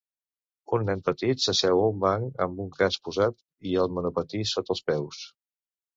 Un nen petit s'asseu a un banc amb el casc posat i el monopatí sota els peus.